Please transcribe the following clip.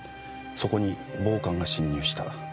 そこに暴漢が侵入した。